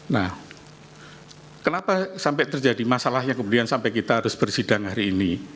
nah kenapa sampai terjadi masalahnya kemudian sampai kita harus bersidang hari ini